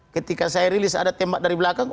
ketika saya rilis ada tembak dari belakang